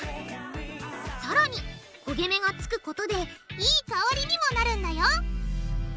さらに焦げ目がつくことでいい香りにもなるんだよ！